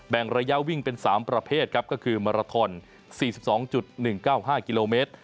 ระยะวิ่งเป็น๓ประเภทครับก็คือมาราทอน๔๒๑๙๕กิโลเมตร